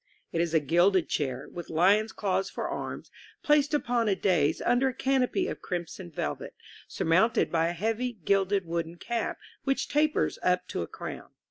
It is a gilded chair, with lion's claws for arms, placed upon a dais under a canopy of crimson velvet, surmounted by a heavy, gilded, wooden cap, which tapers up to a crowh.